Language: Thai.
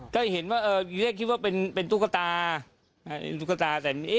ก็เห็นว่าอยู่แรกคิดว่าเป็นตุ๊กตาก็เป็นตุ๊กตาก็เป็นตุ๊กตาก็